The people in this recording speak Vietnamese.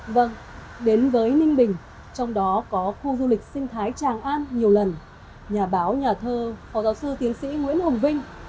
vâng đến với ninh bình trong đó có khu du lịch sinh thái tràng an nhiều lần nhà báo nhà thơ phó giáo sư tiến sĩ nguyễn hồng vinh